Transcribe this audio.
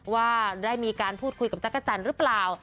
ว่าได้มีการพูดคุยกับจักรจันทร์หรือเปล่า